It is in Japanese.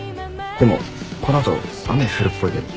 でもこの後雨降るっぽいけど。